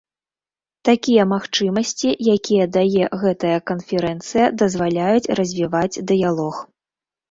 Такія магчымасці, якія дае гэтая канферэнцыя, дазваляюць развіваць дыялог.